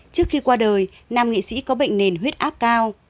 trước khi qua đời nam nghị sĩ có bệnh nền huyết áp cao